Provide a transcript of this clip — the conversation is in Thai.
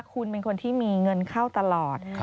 คุณเป็นคนที่มีเงินเข้าตลอด